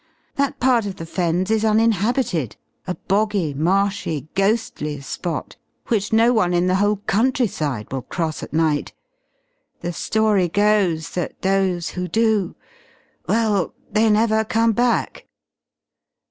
That part of the Fens is uninhabited, a boggy, marshy, ghostly spot which no one in the whole countryside will cross at night. The story goes that those who do well they never come back."